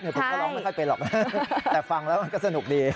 ผมก็ร้องไม่ค่อยเป็นหรอกนะแต่ฟังแล้วมันก็สนุกดี